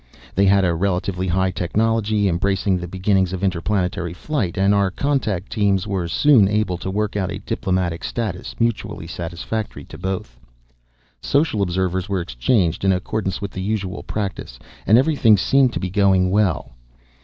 They had a relatively high technology, embracing the beginnings of interplanetary flight, and our contact teams were soon able to work out a diplomatic status mutually satisfactory to both. "Social observers were exchanged, in accordance with the usual practice, and everything seemed to be going well."